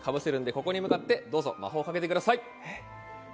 ここに向かって、どうぞ魔法をかけてください。